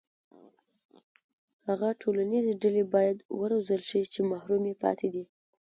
هغه ټولنیزې ډلې باید وروزل شي چې محرومې پاتې دي.